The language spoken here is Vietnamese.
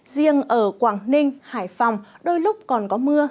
riêng ở quảng ninh hải phòng đôi lúc còn có mưa